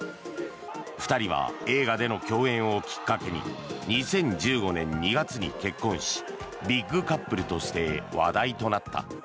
２人は映画での共演をきっかけに２０１５年２月に結婚しビッグカップルとして話題となった。